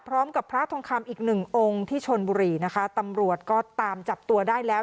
พร้อมกับพระทองคำอีกหนึ่งองค์ที่ชนบุรีนะคะตำรวจก็ตามจับตัวได้แล้ว